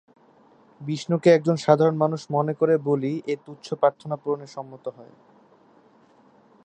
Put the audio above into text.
বিষ্ণুকে একজন সাধারণ মানুষ মনে করে বলি এ তুচ্ছ প্রার্থনা পূরণে সম্মত হয়।